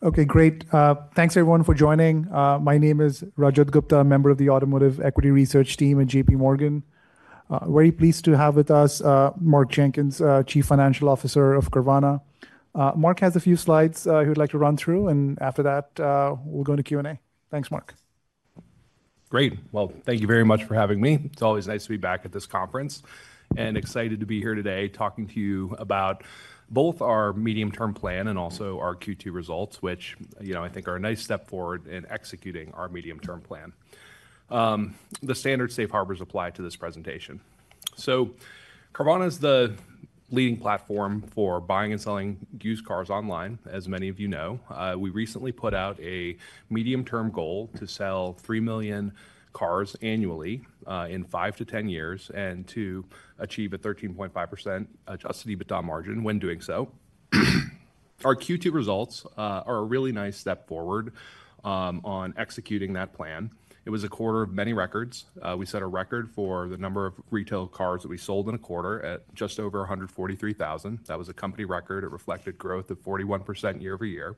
Okay, great. Thanks, everyone, for joining. My name is Rajat Gupta, a member of the Automotive Equity Research team at JPMorgan. We're very pleased to have with us Mark Jenkins, Chief Financial Officer of Carvana. Mark has a few slides he would like to run through, and after that, we'll go to Q&A. Thanks, Mark. Great. Thank you very much for having me. It's always nice to be back at this conference. I'm excited to be here today talking to you about both our medium-term plan and also our Q2 results, which I think are a nice step forward in executing our medium-term plan. The standard safe harbors apply to this presentation. Carvana is the leading platform for buying and selling used cars online, as many of you know. We recently put out a medium-term goal to sell 3 million cars annually in five to 10 years and to achieve a 13.5% adjusted EBITDA margin when doing so. Our Q2 results are a really nice step forward on executing that plan. It was a quarter of many records. We set a record for the number of retail cars that we sold in a quarter at just over 143,000. That was a company record. It reflected growth of 41% year-over-year.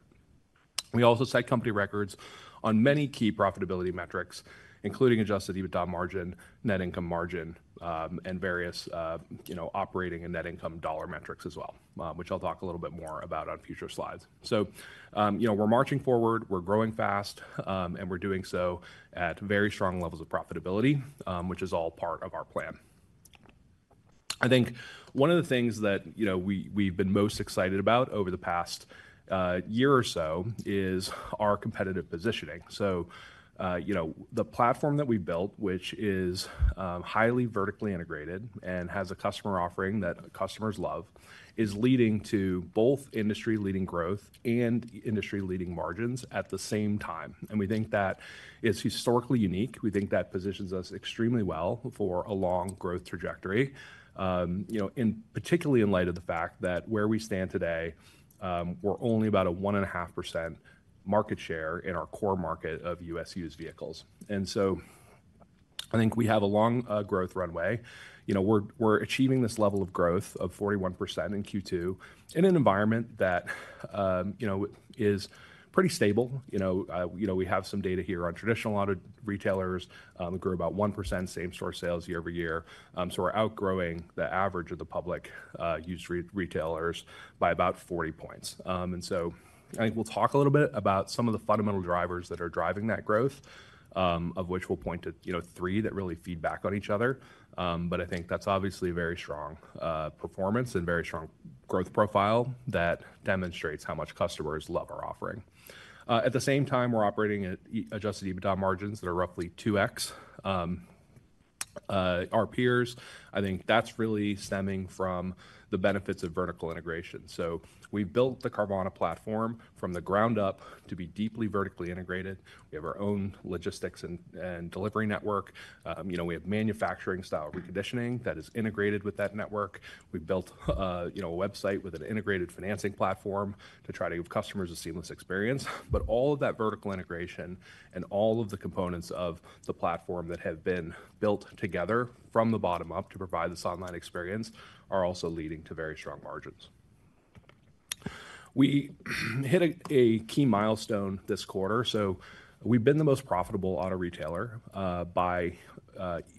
We also set company records on many key profitability metrics, including adjusted EBITDA margin, net income margin, and various operating and net income dollar metrics as well, which I'll talk a little bit more about on future slides. We're marching forward. We're growing fast. We're doing so at very strong levels of profitability, which is all part of our plan. I think one of the things that we've been most excited about over the past year or so is our competitive positioning. The platform that we built, which is highly vertically integrated and has a customer offering that customers love, is leading to both industry-leading growth and industry-leading margins at the same time. We think that is historically unique. We think that positions us extremely well for a long growth trajectory, particularly in light of the fact that where we stand today, we're only about a 1.5% market share in our core market of U.S. used vehicles. I think we have a long growth runway. We're achieving this level of growth of 41% in Q2 in an environment that is pretty stable. We have some data here on traditional auto retailers that grew about 1% same-store sales year-over-year. We're outgrowing the average of the public used retailers by about 40 points. I think we'll talk a little bit about some of the fundamental drivers that are driving that growth, of which we'll point to three that really feed back on each other. I think that's obviously a very strong performance and very strong growth profile that demonstrates how much customers love our offering. At the same time, we're operating at adjusted EBITDA margins that are roughly 2x our peers. I think that's really stemming from the benefits of vertical integration. We built the Carvana platform from the ground up to be deeply vertically integrated. We have our own logistics and delivery network. We have manufacturing-style reconditioning that is integrated with that network. We built a website with an integrated financing platform to try to give customers a seamless experience. All of that vertical integration and all of the components of the platform that have been built together from the bottom up to provide this online experience are also leading to very strong margins. We hit a key milestone this quarter. We've been the most profitable auto retailer by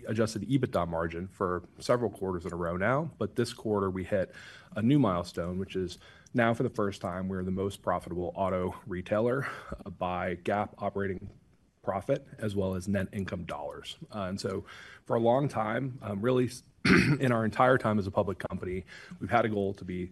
adjusted EBITDA margin for several quarters in a row now. This quarter, we hit a new milestone, which is now for the first time, we're the most profitable auto retailer by GAAP operating profit as well as net income dollars. For a long time, really in our entire time as a public company, we've had a goal to be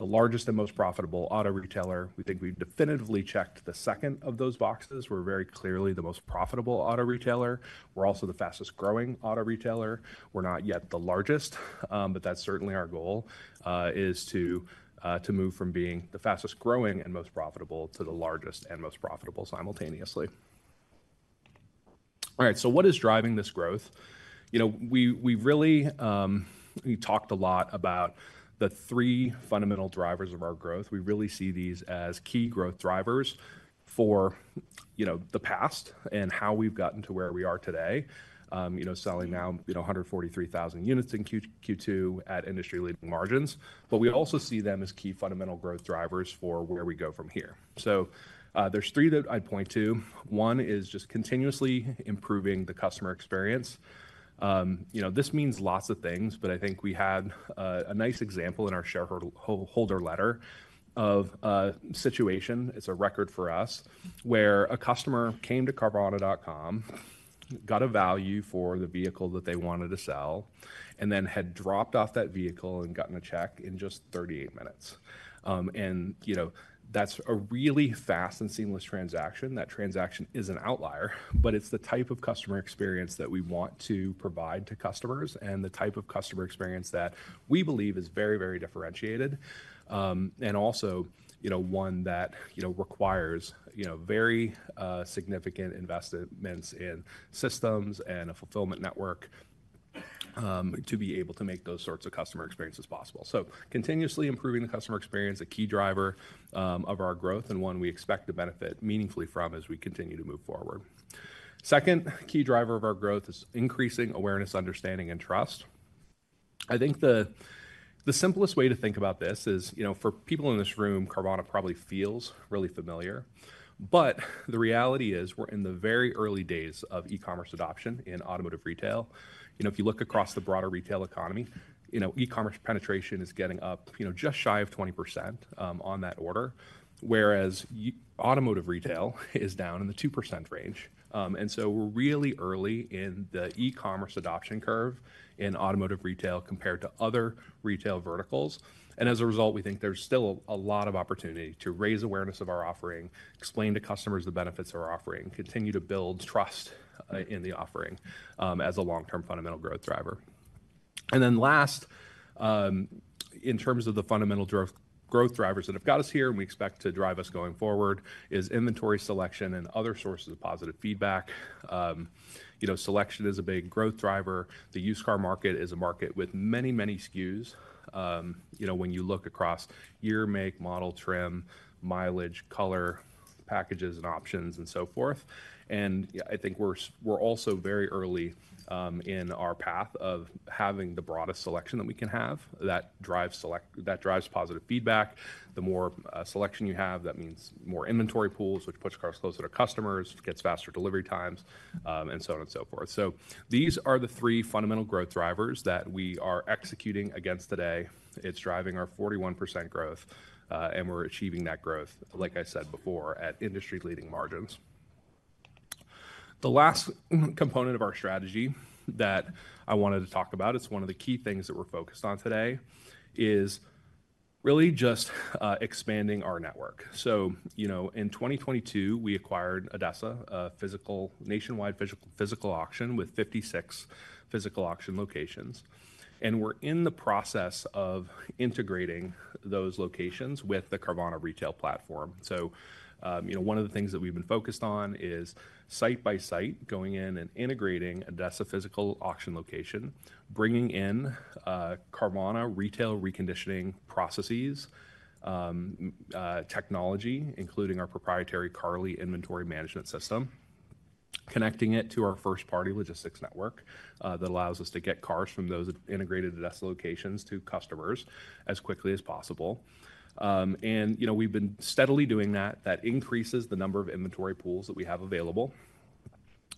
the largest and most profitable auto retailer. We think we've definitively checked the second of those boxes. We're very clearly the most profitable auto retailer. We're also the fastest growing auto retailer. We're not yet the largest, but that's certainly our goal, to move from being the fastest growing and most profitable to the largest and most profitable simultaneously. What is driving this growth? We really talked a lot about the three fundamental drivers of our growth. We really see these as key growth drivers for the past and how we've gotten to where we are today, selling now 143,000 units in Q2 at industry-leading margins. We also see them as key fundamental growth drivers for where we go from here. There are three that I'd point to. One is just continuously improving the customer experience. This means lots of things, but I think we had a nice example in our shareholder letter of a situation. It's a record for us where a customer came to Carvana.com, got a value for the vehicle that they wanted to sell, and then had dropped off that vehicle and gotten a check in just 38 minutes. That's a really fast and seamless transaction. That transaction is an outlier, but it's the type of customer experience that we want to provide to customers and the type of customer experience that we believe is very, very differentiated and also one that requires very significant investments in systems and a fulfillment network to be able to make those sorts of customer experiences possible. Continuously improving the customer experience is a key driver of our growth and one we expect to benefit meaningfully from as we continue to move forward. The second key driver of our growth is increasing awareness, understanding, and trust. I think the simplest way to think about this is for people in this room, Carvana probably feels really familiar. The reality is we're in the very early days of e-commerce adoption in automotive retail. If you look across the broader retail economy, e-commerce penetration is getting up just shy of 20% on that order, whereas automotive retail is down in the 2% range. We're really early in the e-commerce adoption curve in automotive retail compared to other retail verticals. As a result, we think there's still a lot of opportunity to raise awareness of our offering, explain to customers the benefits of our offering, and continue to build trust in the offering as a long-term fundamental growth driver. Last, in terms of the fundamental growth drivers that have got us here and we expect to drive us going forward, is inventory selection and other sources of positive feedback. Selection is a big growth driver. The used car market is a market with many, many skews when you look across year, make, model, trim, mileage, color, packages, and options, and so forth. I think we're also very early in our path of having the broadest selection that we can have that drives positive feedback. The more selection you have, that means more inventory pools, which puts cars closer to customers, gets faster delivery times, and so on and so forth. These are the three fundamental growth drivers that we are executing against today. It's driving our 41% growth, and we're achieving that growth, like I said before, at industry-leading margins. The last component of our strategy that I wanted to talk about, it's one of the key things that we're focused on today, is really just expanding our network. In 2022, we acquired ADESA, a nationwide physical auction with 56 physical auction locations. We're in the process of integrating those locations with the Carvana retail platform. One of the things that we've been focused on is site by site, going in and integrating ADESA physical auction locations, bringing in Carvana retail reconditioning processes, technology, including our proprietary Carly inventory management system, connecting it to our first-party logistics network that allows us to get cars from those integrated ADESA locations to customers as quickly as possible. We've been steadily doing that.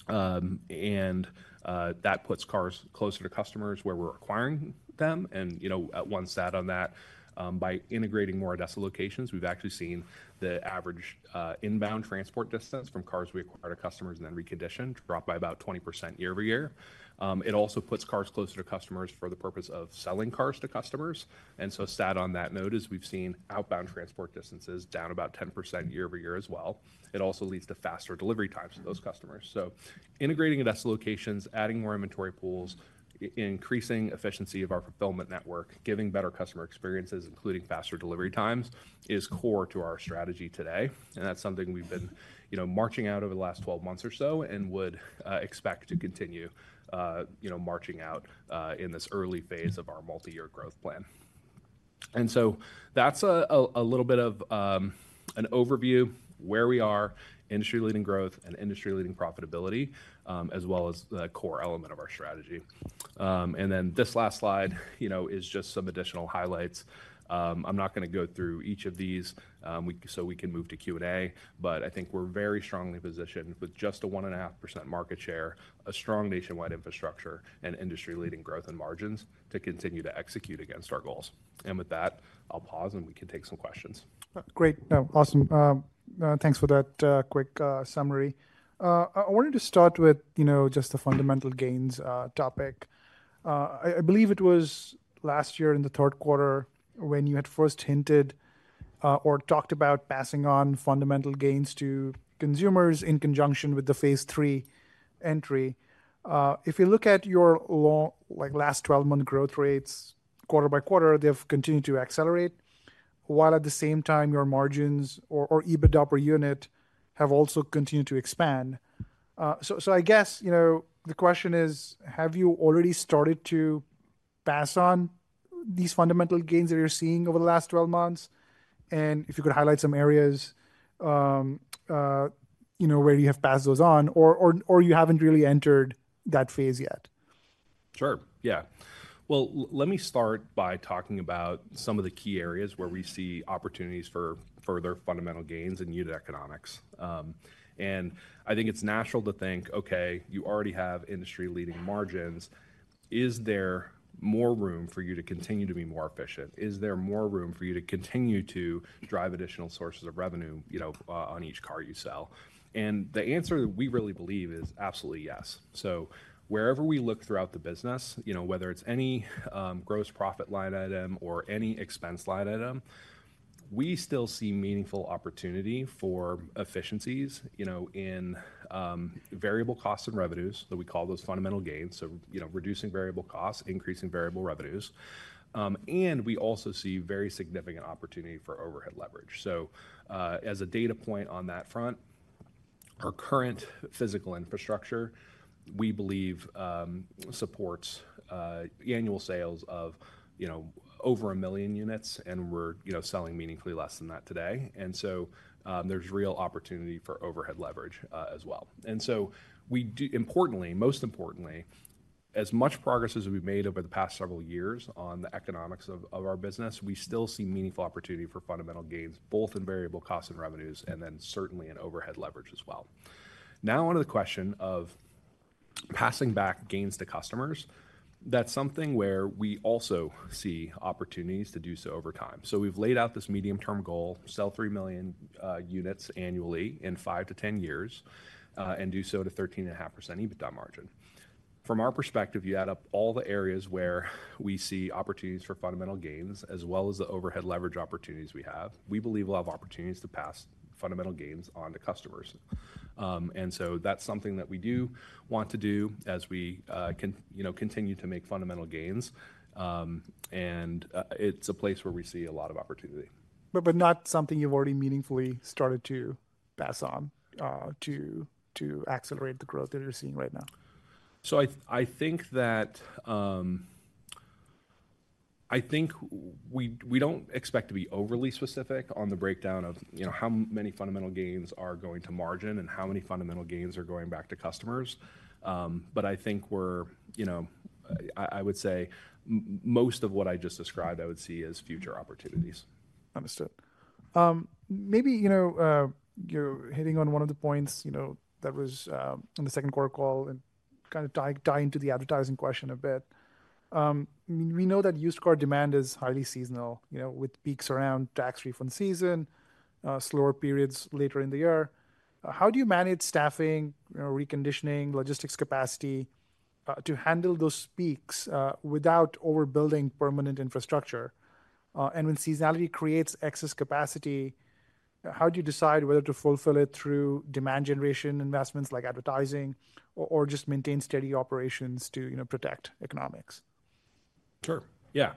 That increases the number of inventory pools that we have available and puts cars closer to customers where we're acquiring them. One stat on that, by integrating more ADESA locations, we've actually seen the average inbound transport distance from cars we acquire to customers and then recondition drop by about 20% year-over-year. It also puts cars closer to customers for the purpose of selling cars to customers. On that note, we've seen outbound transport distances down about 10% year-over-year as well. It also leads to faster delivery times to those customers. Integrating ADESA locations, adding more inventory pools, increasing efficiency of our fulfillment network, and giving better customer experiences, including faster delivery times, is core to our strategy today. That's something we've been marching out over the last 12 months or so and would expect to continue marching out in this early phase of our multi-year growth plan. That's a little bit of an overview of where we are, industry-leading growth, and industry-leading profitability, as well as the core element of our strategy. This last slide is just some additional highlights. I'm not going to go through each of these so we can move to Q&A. I think we're very strongly positioned with just a 1.5% market share, a strong nationwide infrastructure, and industry-leading growth and margins to continue to execute against our goals. With that, I'll pause and we can take some questions. Great. Awesome. Thanks for that quick summary. I wanted to start with just the fundamental gains topic. I believe it was last year in the third quarter when you had first hinted or talked about passing on fundamental gains to consumers in conjunction with the phase III entry. If you look at your last 12-month growth rates quarter by quarter, they have continued to accelerate, while at the same time, your margins or EBITDA per unit have also continued to expand. I guess the question is, have you already started to pass on these fundamental gains that you're seeing over the last 12 months? If you could highlight some areas where you have passed those on or you haven't really entered that phase yet. Sure. Let me start by talking about some of the key areas where we see opportunities for further fundamental gains in unit economics. I think it's natural to think, OK, you already have industry-leading margins. Is there more room for you to continue to be more efficient? Is there more room for you to continue to drive additional sources of revenue on each car you sell? The answer that we really believe is absolutely yes. Wherever we look throughout the business, whether it's any gross profit line item or any expense line item, we still see meaningful opportunity for efficiencies in variable costs and revenues. We call those fundamental gains. Reducing variable costs, increasing variable revenues. We also see very significant opportunity for overhead leverage. As a data point on that front, our current physical infrastructure, we believe, supports annual sales of over a million units. We're selling meaningfully less than that today, so there's real opportunity for overhead leverage as well. Most importantly, as much progress as we've made over the past several years on the economics of our business, we still see meaningful opportunity for fundamental gains, both in variable costs and revenues, and certainly in overhead leverage as well. Now on to the question of passing back gains to customers. That's something where we also see opportunities to do so over time. We've laid out this medium-term goal to sell 3 million units annually in five to 10 years and do so at a 13.5% EBITDA margin. From our perspective, you add up all the areas where we see opportunities for fundamental gains as well as the overhead leverage opportunities we have, we believe we'll have opportunities to pass fundamental gains on to customers. That's something that we do want to do as we continue to make fundamental gains, and it's a place where we see a lot of opportunity. is not something you've already meaningfully started to pass on to accelerate the growth that you're seeing right now. I think that we don't expect to be overly specific on the breakdown of how many fundamental gains are going to margin and how many fundamental gains are going back to customers. I think I would say most of what I just described, I would see as future opportunities. Understood. Maybe you're hitting on one of the points that was in the second quarter call and kind of tying to the advertising question a bit. We know that used car demand is highly seasonal, with peaks around tax refund season, slower periods later in the year. How do you manage staffing, reconditioning, logistics capacity to handle those peaks without overbuilding permanent infrastructure? When seasonality creates excess capacity, how do you decide whether to fulfill it through demand generation investments like advertising or just maintain steady operations to protect economics? Sure. Yeah.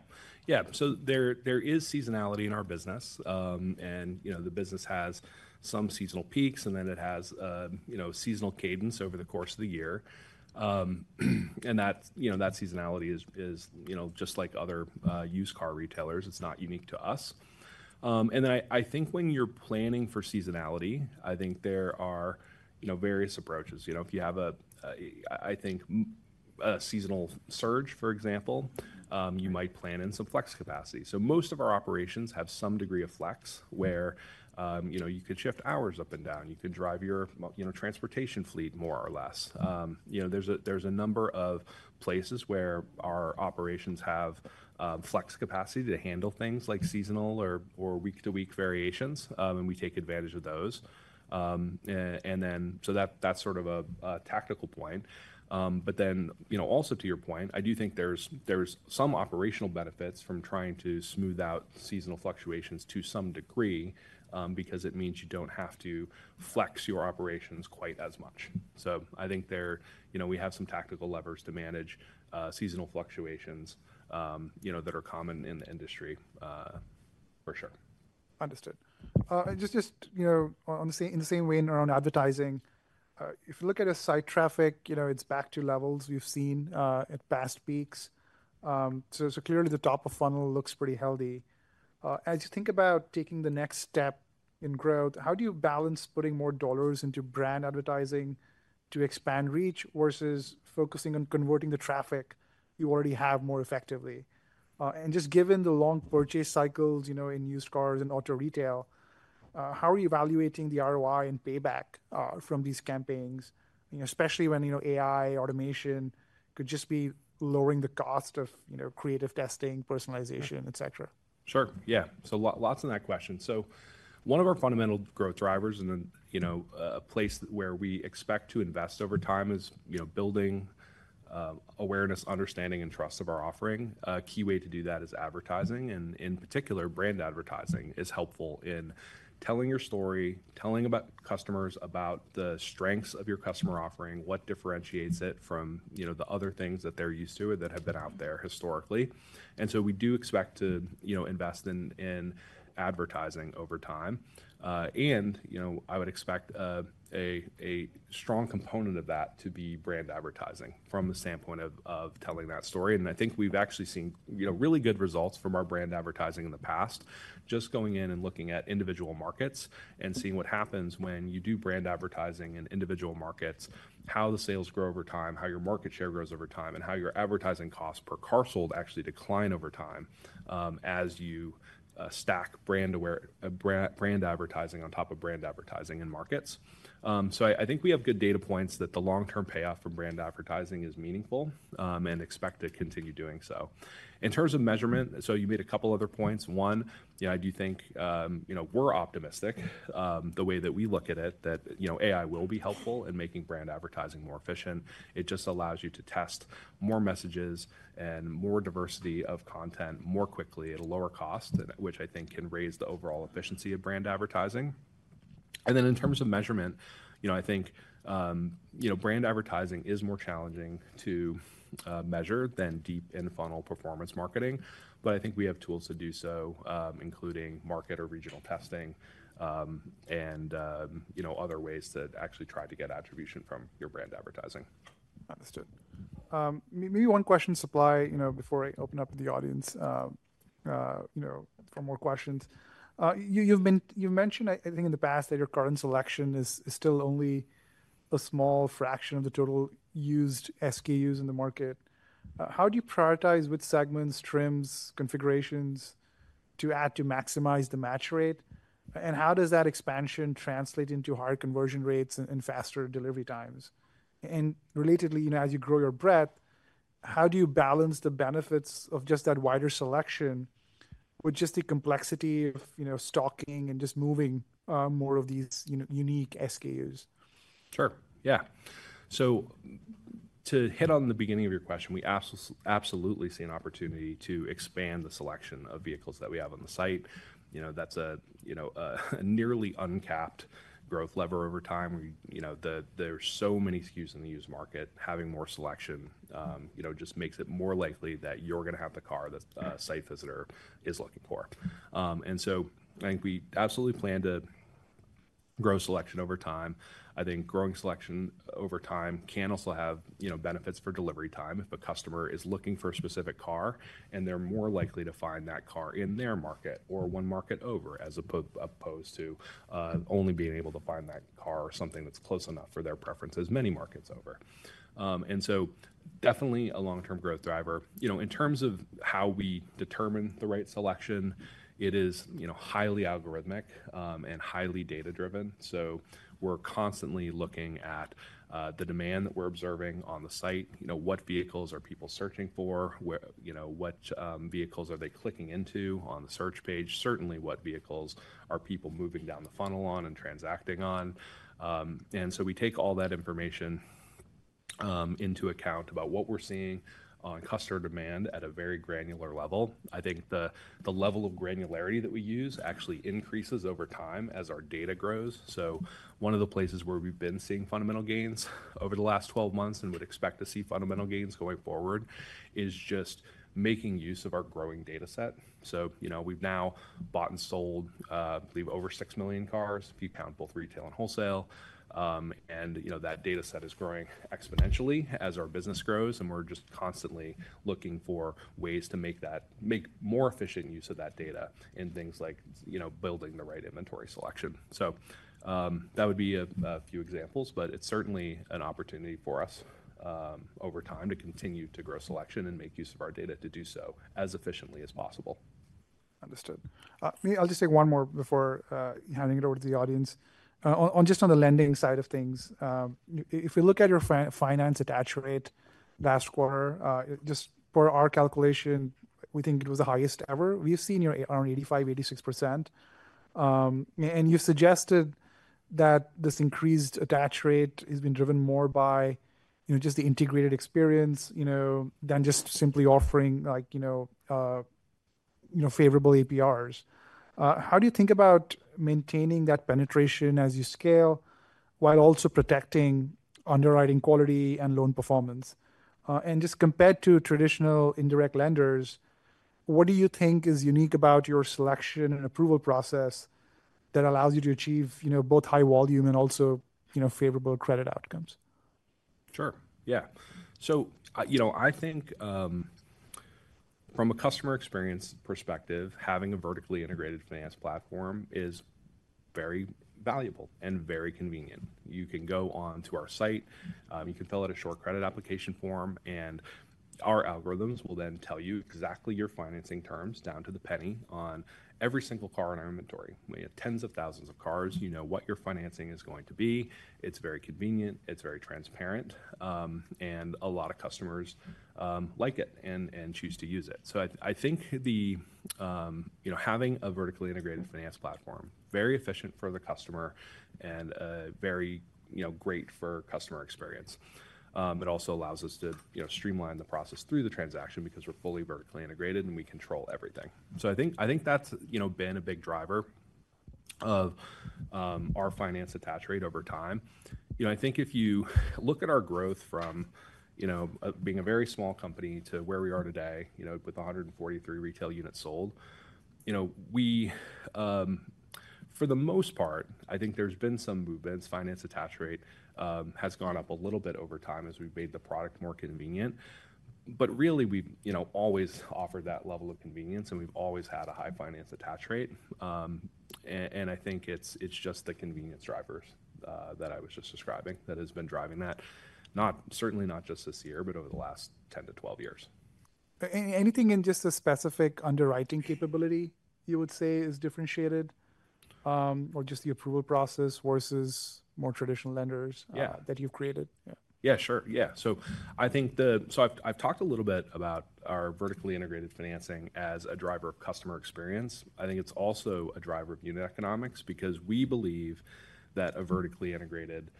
There is seasonality in our business. The business has some seasonal peaks, and it has seasonal cadence over the course of the year. That seasonality is just like other used car retailers. It's not unique to us. I think when you're planning for seasonality, there are various approaches. If you have a seasonal surge, for example, you might plan in some flex capacity. Most of our operations have some degree of flex where you could shift hours up and down. You could drive your transportation fleet more or less. There are a number of places where our operations have flex capacity to handle things like seasonal or week-to-week variations. We take advantage of those. That's a tactical point. Also, to your point, I do think there's some operational benefits from trying to smooth out seasonal fluctuations to some degree because it means you don't have to flex your operations quite as much. I think we have some tactical levers to manage seasonal fluctuations that are common in the industry, for sure. Understood. In the same way around advertising, if you look at site traffic, it's back to levels we've seen at past peaks. Clearly, the top of funnel looks pretty healthy. As you think about taking the next step in growth, how do you balance putting more dollars into brand advertising to expand reach versus focusing on converting the traffic you already have more effectively? Given the long purchase cycles in used cars and auto retail, how are you evaluating the ROI and payback from these campaigns, especially when AI automation could just be lowering the cost of creative testing, personalization, et cetera? Sure. Yeah. Lots in that question. One of our fundamental growth drivers and a place where we expect to invest over time is building awareness, understanding, and trust of our offering. A key way to do that is advertising. In particular, brand advertising is helpful in telling your story, telling customers about the strengths of your customer offering, what differentiates it from the other things that they're used to and that have been out there historically. We do expect to invest in advertising over time. I would expect a strong component of that to be brand advertising from the standpoint of telling that story. I think we've actually seen really good results from our brand advertising in the past, just going in and looking at individual markets and seeing what happens when you do brand advertising in individual markets, how the sales grow over time, how your market share grows over time, and how your advertising costs per car sold actually decline over time as you stack brand advertising on top of brand advertising in markets. I think we have good data points that the long-term payoff for brand advertising is meaningful and expect to continue doing so. In terms of measurement, you made a couple of other points. I do think we're optimistic, the way that we look at it, that AI will be helpful in making brand advertising more efficient. It just allows you to test more messages and more diversity of content more quickly at a lower cost, which I think can raise the overall efficiency of brand advertising. In terms of measurement, I think brand advertising is more challenging to measure than deep in-funnel performance marketing. I think we have tools to do so, including market or regional testing and other ways to actually try to get attribution from your brand advertising. Understood. Maybe one question to supply before I open up to the audience for more questions. You've mentioned, I think, in the past that your current selection is still only a small fraction of the total used SKUs in the market. How do you prioritize which segments, trims, configurations to add to maximize the match rate? How does that expansion translate into higher conversion rates and faster delivery times? Relatedly, as you grow your breadth, how do you balance the benefits of just that wider selection with the complexity of stocking and just moving more of these unique SKUs? Sure. Yeah. To hit on the beginning of your question, we absolutely see an opportunity to expand the selection of vehicles that we have on the site. That's a nearly uncapped growth lever over time. There are so many SKUs in the used market. Having more selection just makes it more likely that you're going to have the car that a site visitor is looking for. I think we absolutely plan to grow selection over time. I think growing selection over time can also have benefits for delivery time. If a customer is looking for a specific car, they're more likely to find that car in their market or one market over, as opposed to only being able to find that car or something that's close enough for their preference as many markets over. Definitely a long-term growth driver. In terms of how we determine the right selection, it is highly algorithmic and highly data-driven. We're constantly looking at the demand that we're observing on the site. What vehicles are people searching for? What vehicles are they clicking into on the search page? Certainly, what vehicles are people moving down the funnel on and transacting on? We take all that information into account about what we're seeing on customer demand at a very granular level. I think the level of granularity that we use actually increases over time as our data grows. One of the places where we've been seeing fundamental gains over the last 12 months and would expect to see fundamental gains going forward is just making use of our growing data set. We've now bought and sold, I believe, over 6 million cars, if you count both retail and wholesale. That data set is growing exponentially as our business grows. We're just constantly looking for ways to make more efficient use of that data in things like building the right inventory selection. That would be a few examples. It's certainly an opportunity for us over time to continue to grow selection and make use of our data to do so as efficiently as possible. Understood. I'll just take one more before handing it over to the audience. Just on the lending side of things, if you look at your finance attach rate last quarter, just per our calculation, we think it was the highest ever. We've seen around 85%, 86%. You suggested that this increased attach rate has been driven more by just the integrated experience than just simply offering favorable APRs. How do you think about maintaining that penetration as you scale while also protecting underwriting quality and loan performance? Just compared to traditional indirect lenders, what do you think is unique about your selection and approval process that allows you to achieve both high volume and also favorable credit outcomes? Sure. Yeah. I think from a customer experience perspective, having a vertically integrated finance platform is very valuable and very convenient. You can go on to our site, fill out a short credit application form, and our algorithms will then tell you exactly your financing terms down to the penny on every single car in our inventory. We have tens of thousands of cars. You know what your financing is going to be. It's very convenient, it's very transparent, and a lot of customers like it and choose to use it. I think having a vertically integrated finance platform is very efficient for the customer and very great for customer experience. It also allows us to streamline the process through the transaction because we're fully vertically integrated and we control everything. I think that's been a big driver of our finance attach rate over time. If you look at our growth from being a very small company to where we are today with 143 retail units sold, for the most part, I think there's been some movements. Finance attach rate has gone up a little bit over time as we've made the product more convenient. Really, we've always offered that level of convenience, and we've always had a high finance attach rate. I think it's just the convenience drivers that I was just describing that has been driving that, certainly not just this year, but over the last 10-12 years. Anything in just a specific underwriting capability you would say is differentiated, or just the approval process versus more traditional lenders that you've created? Yeah, sure. I've talked a little bit about our vertically integrated financing as a driver of customer experience. I think it's also a driver of unit economics because we believe that a vertically integrated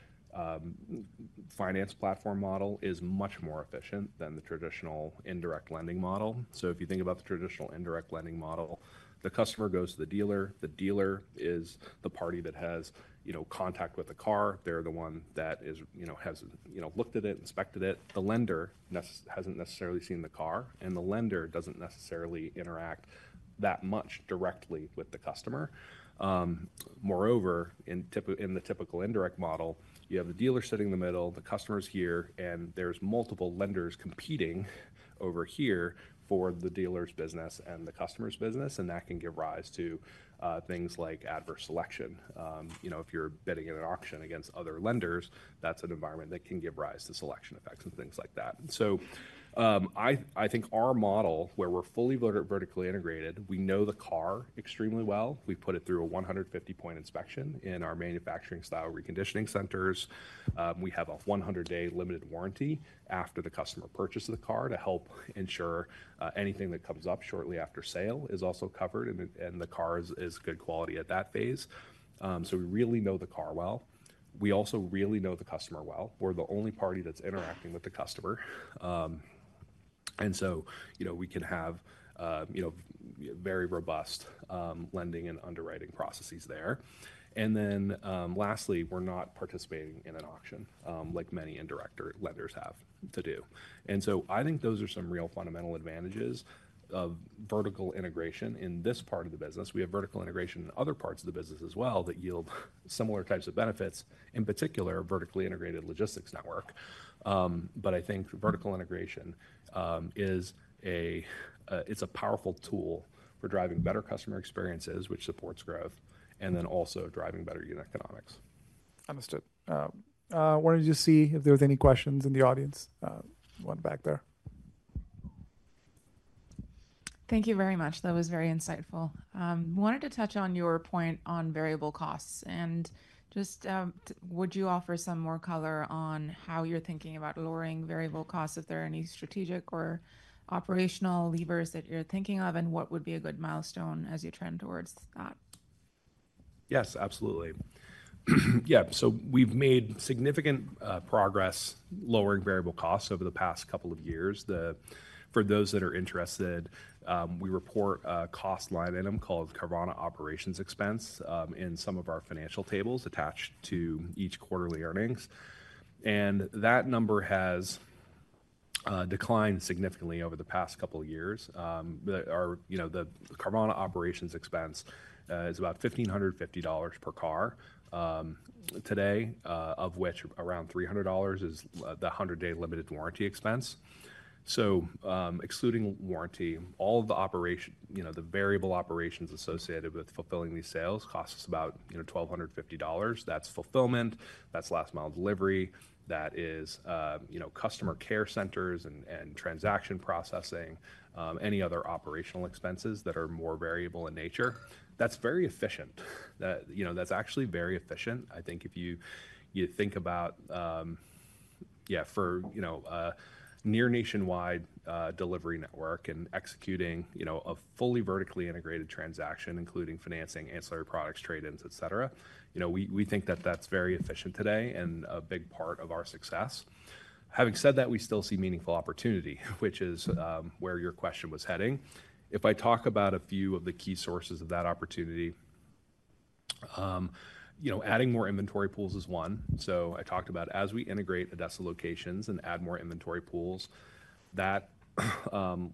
finance platform model is much more efficient than the traditional indirect lending model. If you think about the traditional indirect lending model, the customer goes to the dealer. The dealer is the party that has contact with the car. They're the one that has looked at it, inspected it. The lender hasn't necessarily seen the car, and the lender doesn't necessarily interact that much directly with the customer. Moreover, in the typical indirect model, you have the dealer sitting in the middle, the customer's here, and there's multiple lenders competing over here for the dealer's business and the customer's business. That can give rise to things like adverse selection. If you're bidding at an auction against other lenders, that's an environment that can give rise to selection effects and things like that. I think our model, where we're fully vertically integrated, we know the car extremely well. We put it through a 150-point inspection in our manufacturing-style reconditioning centers. We have a 100-day limited warranty after the customer purchases the car to help ensure anything that comes up shortly after sale is also covered and the car is good quality at that phase. We really know the car well. We also really know the customer well. We're the only party that's interacting with the customer, so we can have very robust lending and underwriting processes there. Lastly, we're not participating in an auction like many indirect lenders have to do. I think those are some real fundamental advantages of vertical integration in this part of the business. We have vertical integration in other parts of the business as well that yield similar types of benefits, in particular, a vertically integrated logistics network. I think vertical integration is a powerful tool for driving better customer experiences, which supports growth, and also driving better unit economics. Understood. I wanted to just see if there were any questions in the audience. We went back there. Thank you very much. That was very insightful. I wanted to touch on your point on variable costs. Would you offer some more color on how you're thinking about lowering variable costs? If there are any strategic or operational levers that you're thinking of, what would be a good milestone as you trend towards that? Yes, absolutely. We've made significant progress lowering variable costs over the past couple of years. For those that are interested, we report a cost line item called Carvana Operations Expense in some of our financial tables attached to each quarterly earnings. That number has declined significantly over the past couple of years. The Carvana Operations Expense is about $1,550 per car today, of which around $300 is the 100-day limited warranty expense. Excluding warranty, all of the variable operations associated with fulfilling these sales cost us about $1,250. That's fulfillment, last-mile delivery, customer care centers, transaction processing, and any other operational expenses that are more variable in nature. That's very efficient. That's actually very efficient. I think if you think about, for a near nationwide delivery network and executing a fully vertically integrated transaction, including financing, ancillary products, trade-ins, et cetera, we think that that's very efficient today and a big part of our success. Having said that, we still see meaningful opportunity, which is where your question was heading. If I talk about a few of the key sources of that opportunity, adding more inventory pools is one. I talked about as we integrate ADESA locations and add more inventory pools, that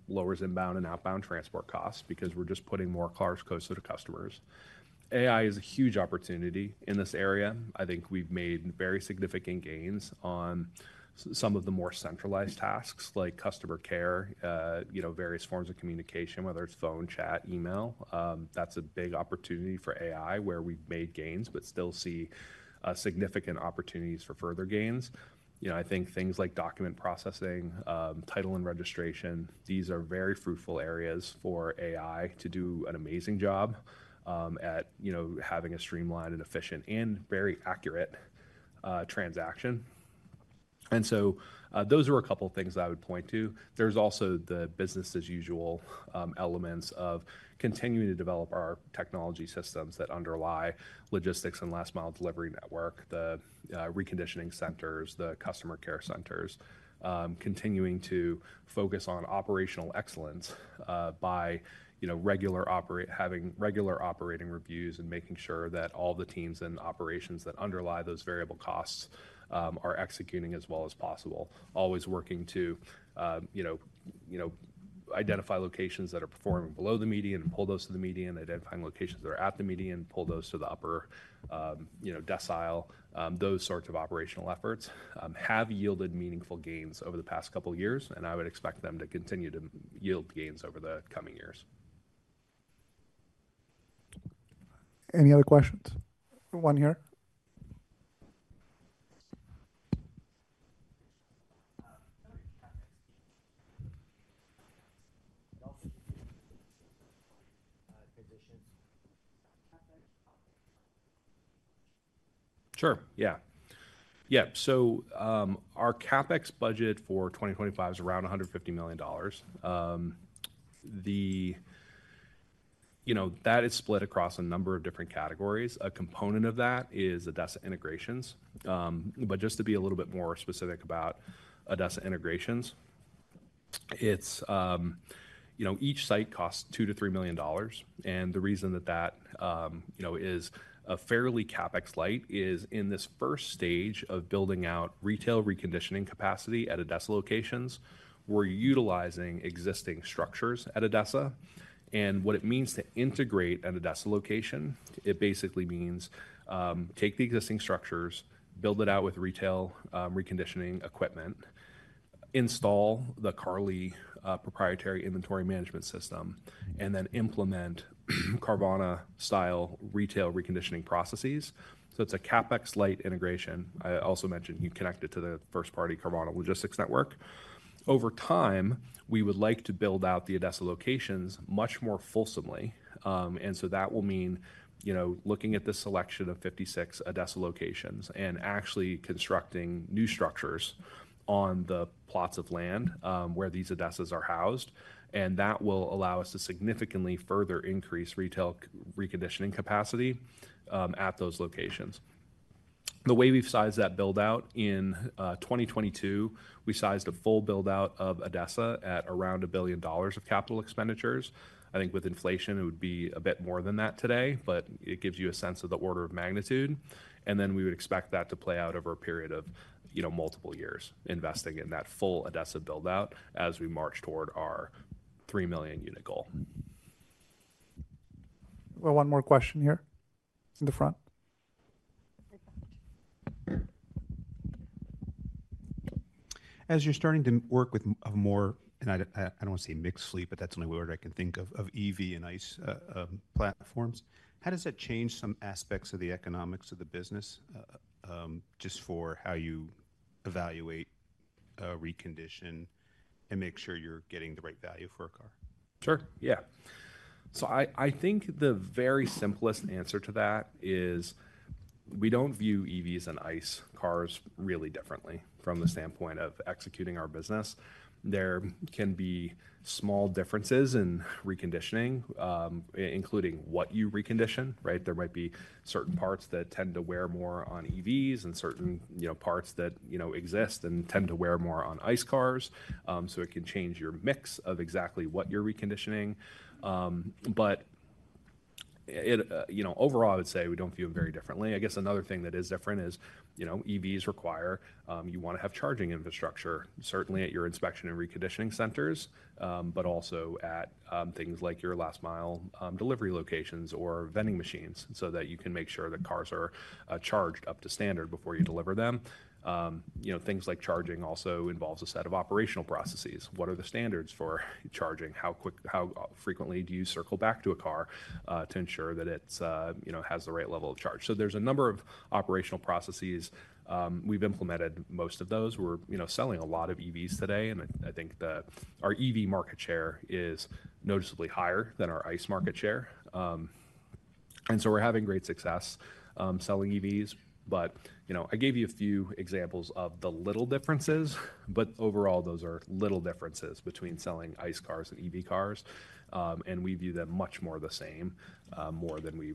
lowers inbound and outbound transport costs because we're just putting more cars closer to customers. AI is a huge opportunity in this area. I think we've made very significant gains on some of the more centralized tasks like customer care, various forms of communication, whether it's phone, chat, or email. That's a big opportunity for AI where we've made gains but still see significant opportunities for further gains. I think things like document processing, title, and registration are very fruitful areas for AI to do an amazing job at having a streamlined, efficient, and very accurate transaction. Those are a couple of things that I would point to. There are also the business-as-usual elements of continuing to develop our technology systems that underlie logistics and last-mile delivery network, the reconditioning centers, the customer care centers, continuing to focus on operational excellence by having regular operating reviews and making sure that all the teams and operations that underlie those variable costs are executing as well as possible, always working to identify locations that are performing below the median and pull those to the median, identifying locations that are at the median and pull those to the upper decile. Those sorts of operational efforts have yielded meaningful gains over the past couple of years. I would expect them to continue to yield gains over the coming years. Any other questions? One here. Sure. Yeah. Yeah. Our CapEx budget for 2025 is around $150 million. That is split across a number of different categories. A component of that is ADESA integrations. Just to be a little bit more specific about ADESA integrations, each site costs $2 million-$3 million. The reason that is fairly CapEx light is in this first stage of building out retail reconditioning capacity at ADESA locations, we're utilizing existing structures at ADESA. What it means to integrate at an ADESA location basically means take the existing structures, build it out with retail reconditioning equipment, install the Carvana proprietary inventory management system, and then implement Carvana-style retail reconditioning processes. It's a CapEx light integration. I also mentioned you connect it to the first-party Carvana logistics network. Over time, we would like to build out the ADESA locations much more fulsomely. That will mean looking at the selection of 56 ADESA locations and actually constructing new structures on the plots of land where these ADESAs are housed. That will allow us to significantly further increase retail reconditioning capacity at those locations. The way we've sized that build-out in 2022, we sized a full build-out of ADESA at around $1 billion of capital expenditures. I think with inflation, it would be a bit more than that today, but it gives you a sense of the order of magnitude. We would expect that to play out over a period of multiple years, investing in that full ADESA build-out as we march toward our 3 million unit goal. One more question here in the front. As you're starting to work with a more, and I don't want to say mixed fleet, but that's the only word I can think of, of EV and ICE platforms, how does that change some aspects of the economics of the business just for how you evaluate reconditioning and make sure you're getting the right value for a car? Sure. Yeah. I think the very simplest answer to that is we don't view EVs and ICE cars really differently from the standpoint of executing our business. There can be small differences in reconditioning, including what you recondition. There might be certain parts that tend to wear more on EVs and certain parts that exist and tend to wear more on ICE cars. It can change your mix of exactly what you're reconditioning. Overall, I would say we don't view them very differently. I guess another thing that is different is EVs require you want to have charging infrastructure, certainly at your inspection and reconditioning centers, but also at things like your last-mile delivery locations or vending machines so that you can make sure that cars are charged up to standard before you deliver them. Things like charging also involve a set of operational processes. What are the standards for charging? How frequently do you circle back to a car to ensure that it has the right level of charge? There are a number of operational processes. We've implemented most of those. We're selling a lot of EVs today. I think our EV market share is noticeably higher than our ICE market share. We're having great success selling EVs. I gave you a few examples of the little differences. Overall, those are little differences between selling ICE cars and EV cars. We view them much more the same, more than we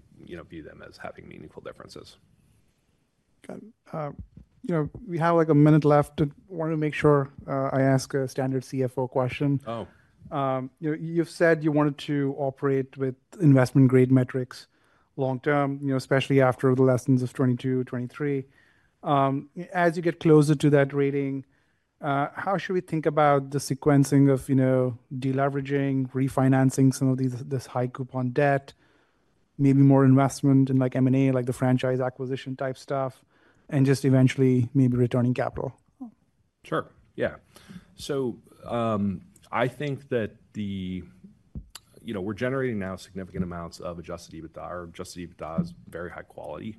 view them as having meaningful differences. Got it. We have like a minute left. I wanted to make sure I ask a standard CFO question. Oh. You've said you wanted to operate with investment-grade credit metrics long term, especially after the lessons of 2022, 2023. As you get closer to that rating, how should we think about the sequencing of deleveraging, refinancing some of this high coupon debt, maybe more investment in like M&A, like the franchise acquisition type stuff, and just eventually maybe returning capital? Sure. Yeah. I think that we're generating now significant amounts of adjusted EBITDA. Our adjusted EBITDA is very high quality,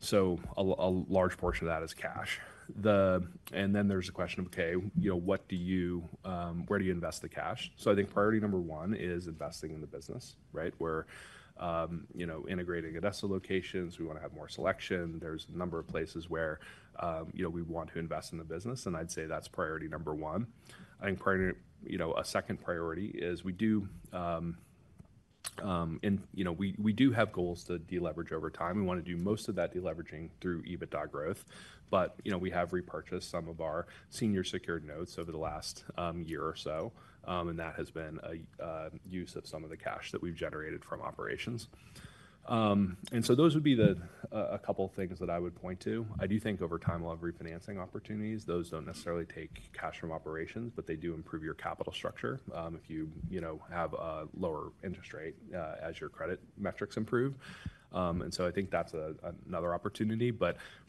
so a large portion of that is cash. There's a question of, OK, where do you invest the cash? I think priority number one is investing in the business. We're integrating ADESA locations, we want to have more selection. There's a number of places where we want to invest in the business, and I'd say that's priority number one. I think a second priority is we do have goals to deleverage over time. We want to do most of that deleveraging through EBITDA growth, but we have repurchased some of our senior secured notes over the last year or so, and that has been a use of some of the cash that we've generated from operations. Those would be a couple of things that I would point to. I do think over time, a lot of refinancing opportunities don't necessarily take cash from operations, but they do improve your capital structure if you have a lower interest rate as your credit metrics improve. I think that's another opportunity.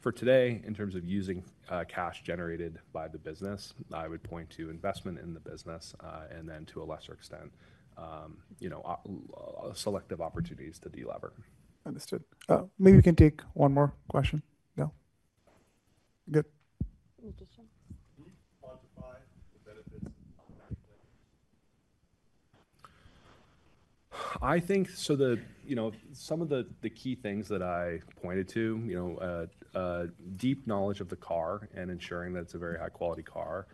For today, in terms of using cash generated by the business, I would point to investment in the business and then, to a lesser extent, selective opportunities to deleverage. Understood. Maybe we can take one more question now. Good. I think some of the key things that I pointed to, deep knowledge of the car and ensuring that it's a very high-quality car,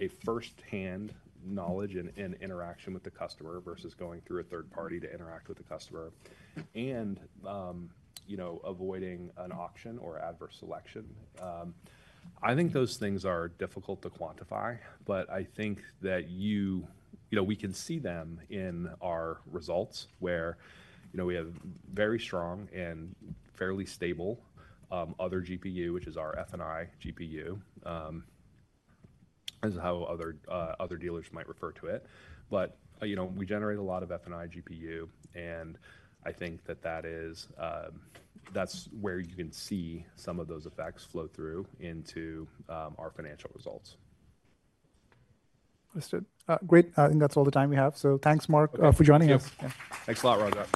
a firsthand knowledge and interaction with the customer versus going through a third party to interact with the customer, and avoiding an auction or adverse selection. I think those things are difficult to quantify. I think that we can see them in our results where we have very strong and fairly stable other GPU, which is our F&I GPU. This is how other dealers might refer to it. We generate a lot of F&I GPU. I think that that's where you can see some of those effects flow through into our financial results. Understood. Great. I think that's all the time we have. Thanks, Mark, for joining us. Thanks a lot, Rajat.